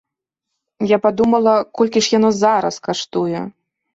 Я падумала, колькі ж яно зараз каштуе?